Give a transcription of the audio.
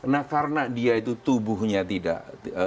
nah karena dia itu tubuhnya tidak